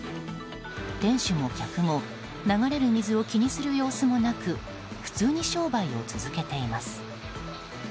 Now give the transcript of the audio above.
店主も客も流れる水を気にする様子もなく普通に商売を続けています。